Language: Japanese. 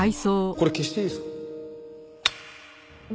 これ消していいですか？